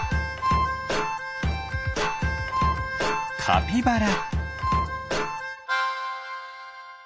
カピバラ。